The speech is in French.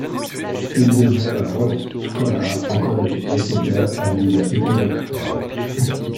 Il devient un Rhodes Scholar au Collège Exeter à l'Université d'Oxford.